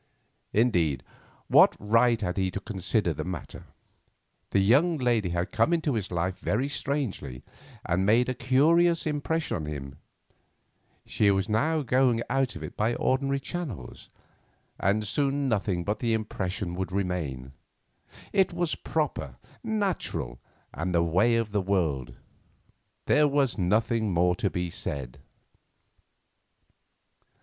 Indeed, what right had he even to consider the matter? The young lady had come into his life very strangely, and made a curious impression upon him; she was now going out of it by ordinary channels, and soon nothing but the impression would remain. It was proper, natural, and the way of the world; there was nothing more to be said.